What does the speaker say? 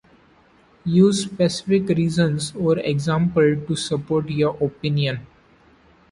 Use specific reasons or examples to support your opinion.